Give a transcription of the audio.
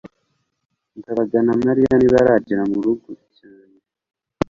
ndabaga na mariya ntibaragera murugo cyane